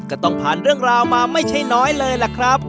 ก็ต้องผ่านเรื่องราวมาไม่ใช่น้อยเลยล่ะครับ